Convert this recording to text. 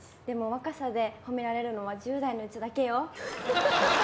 でも若さで褒められるのは１０代のうちだけよ。